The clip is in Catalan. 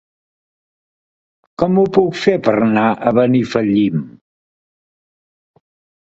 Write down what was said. Com ho puc fer per anar a Benifallim?